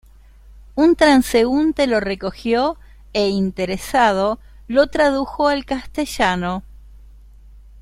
Un transeúnte lo recogió, e interesado lo tradujo al castellano.